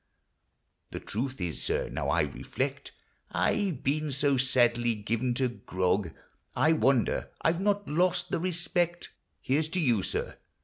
The truth is, sir, now T reflect, I 've been so sadly given to grog, I wonder I 've not lost the respect (Here 's to you, sir